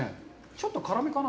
ちょっと辛めかな。